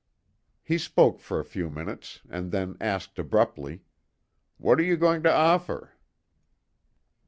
He spoke for a few minutes, and then asked abruptly: "What are you going to offer?"